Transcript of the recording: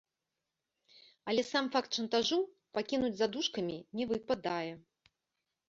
Але сам факт шантажу пакінуць за дужкамі не выпадае.